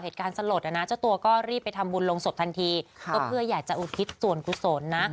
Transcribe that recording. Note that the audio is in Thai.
สลดอ่ะนะเจ้าตัวก็รีบไปทำบุญลงศพทันทีก็เพื่ออยากจะอุทิศส่วนกุศลนะ